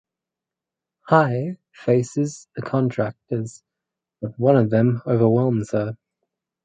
Hei faces the Contractors but one of them overwhelms her.